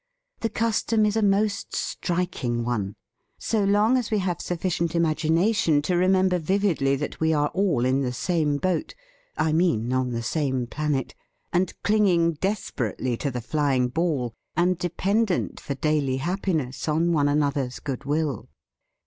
The custom is a most strik ing one — so long as we have sufficient imagination to remember vividly that we are all in the same boat — I mean, on the same planet — and clinging des THE FEAST OF ST FRIEND perately to the flying ball, and depend ent for daily happiness on one another's good will!